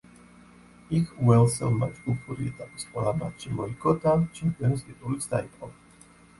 იქ უელსელმა ჯგუფური ეტაპის ყველა მატჩი მოიგო და ჩემპიონის ტიტულიც დაიპყრო.